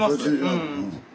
うん。